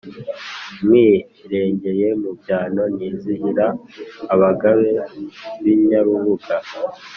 Nywiregeye mu byano nizihira abagabe b’Inyarubuga,